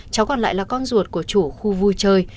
cháu còn lại là con ruột của chủ khu vui chơi